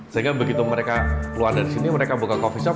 sehingga begitu mereka keluar dari sini mereka buka coffee shop